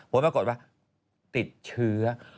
ผมมากดว่าติดเชื้อ